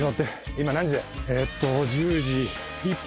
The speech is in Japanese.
今何時だ？